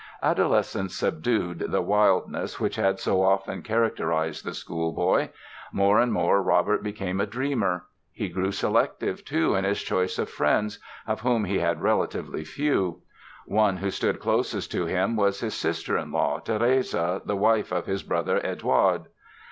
Adolescence subdued the wildness which had so often characterized the schoolboy. More and more Robert became a dreamer. He grew selective, too, in his choice of friends, of whom he had relatively few. One who stood closest to him was his sister in law, Therese, the wife of his brother Eduard.